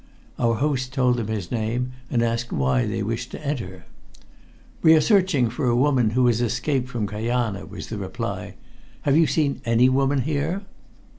Our host told them his name, and asked why they wished to enter. "We are searching for a woman who has escaped from Kajana," was the reply. "Have you seen any woman here?"